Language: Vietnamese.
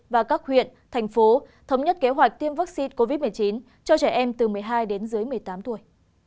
và các huyện thành phố thống nhất kế hoạch tiêm vaccine covid một mươi chín cho trẻ em từ một mươi hai đến dưới một mươi tám tuổi